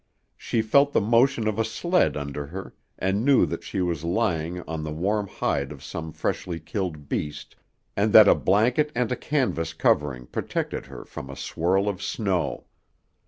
She felt the motion of a sled under her and knew that she was lying on the warm hide of some freshly killed beast and that a blanket and a canvas covering protected her from a swirl of snow.